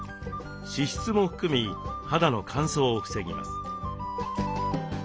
脂質も含み肌の乾燥を防ぎます。